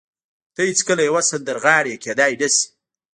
ته هېڅکله يوه سندرغاړې کېدای نه شې.